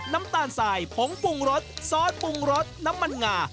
น้ำตาลสายผงปรุงรสซอสปรุงรสน้ำมันงา